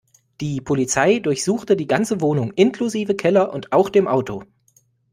Die Polizei durchsuchte die ganze Wohnung inklusive Keller und auch dem Auto.